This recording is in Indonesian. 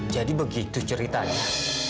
jadi begitu ceritanya